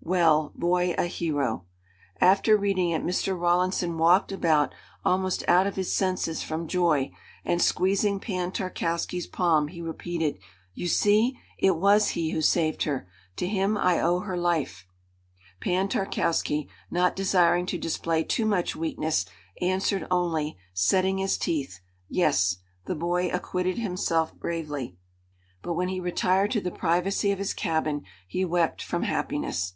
Well. Boy a hero." After reading it Mr. Rawlinson walked about almost out of his senses from joy, and, squeezing Pan Tarkowski's palm, he repeated: "You see, it was he who saved her. To him I owe her life." Pan Tarkowski, not desiring to display too much weakness, answered only, setting his teeth, "Yes! The boy acquitted himself bravely," but when he retired to the privacy of his cabin he wept from happiness.